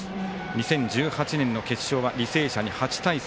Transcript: ２０１８年の決勝は履正社に８対３。